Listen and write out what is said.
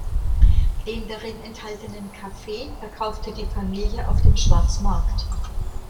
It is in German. Den darin enthaltenen Kaffee verkaufte die Familie auf dem Schwarzmarkt.